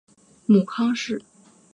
母康氏。